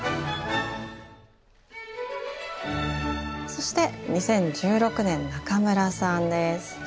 そして２０１６年中村さんです。